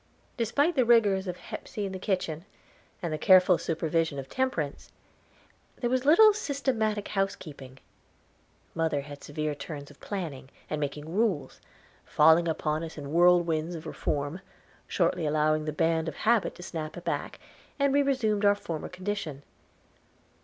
Despite the rigors of Hepsey in the kitchen, and the careful supervision of Temperance, there was little systematic housekeeping. Mother had severe turns of planning, and making rules, falling upon us in whirlwinds of reform, shortly allowing the band of habit to snap back, and we resumed our former condition.